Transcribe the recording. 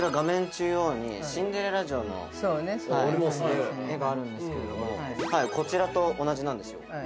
中央にシンデレラ城の絵があるんですけれどもこちらと同じなんですよ。